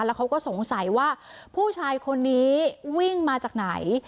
แล้วเขาก็สงสัยว่าผู้ชายคนนี้วิ่งมาจากไหน